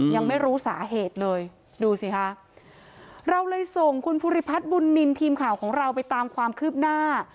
ยังไม่รู้สาเหตุเลยดูสิคะเราเลยส่งคุณภูริพัฒน์บุญนินทีมข่าวของเราไปตามความคืบหน้า